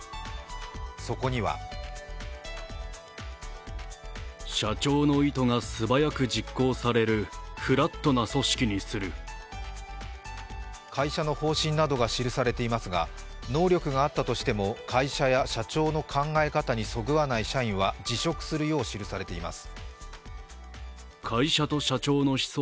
そこには会社の方針などが記されていますが能力があったとしても会社や社長の考え方にそぐわない社員は辞職するよう記されています。